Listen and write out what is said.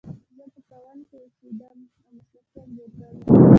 زه په ګاونډ کې اوسیدم او مسلکي انځورګره یم